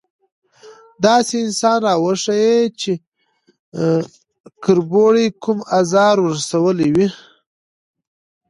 _داسې انسان راوښيه چې کربوړي کوم ازار ور رسولی وي؟